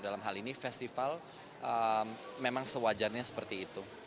dalam hal ini festival memang sewajarnya seperti itu